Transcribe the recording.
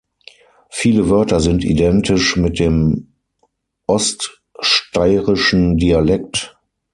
Viele Wörter sind identisch mit dem oststeirischen Dialekt.